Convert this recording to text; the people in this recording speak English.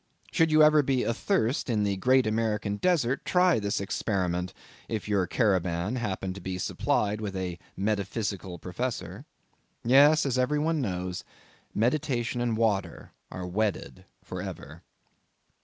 Should you ever be athirst in the great American desert, try this experiment, if your caravan happen to be supplied with a metaphysical professor. Yes, as every one knows, meditation and water are wedded for ever.